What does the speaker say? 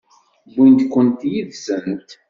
Wwint-ken yid-sent?